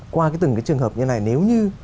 qua từng cái trường hợp như này nếu như